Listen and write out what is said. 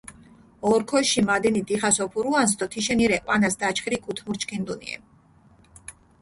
ორქოში მადენი დიხას ოფურუანს დო თიშენი რე ჸვანას დაჩხირი გუთმურჩქინდუნიე.